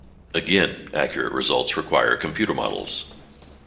Again, accurate results require computer models.